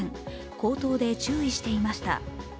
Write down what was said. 口頭で注意していました。